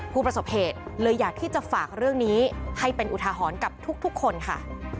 ผู้ประสบเหตุเลยอยากที่จะฝากเรื่องนี้ให้เป็นอุทาหรณ์กับทุกคนค่ะ